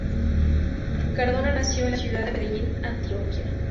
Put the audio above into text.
Cardona nació en la ciudad de Medellín, Antioquia.